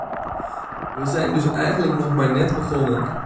We zijn dus eigenlijk nog maar net begonnen.